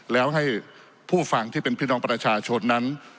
แล้วให้ผู้ฟังที่เป็นพี่น้องประชาชนนั้น